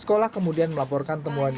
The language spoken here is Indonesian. sekolah kemudian melaporkan temuan